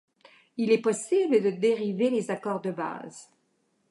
Il est possible de dériver les accords de base.